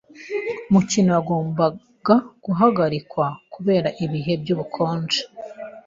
Umukino wagombaga guhagarikwa kubera ibihe by'ubukonje.